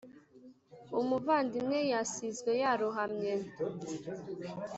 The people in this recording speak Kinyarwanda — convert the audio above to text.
umuvandimwe yasizwe yarohamye ,